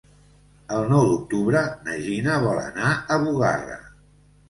El nou d'octubre na Gina vol anar a Bugarra.